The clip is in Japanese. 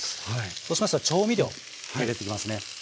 そうしましたら調味料入れてきますね。